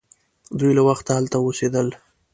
دوی له وخته هلته اوسیدل.